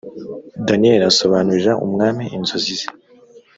daniyeli asobanurira umwami inzozi ze